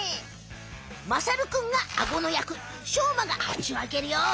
まさるくんがアゴのやくしょうまが口をあけるよ。